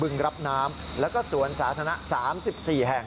รับน้ำแล้วก็สวนสาธารณะ๓๔แห่ง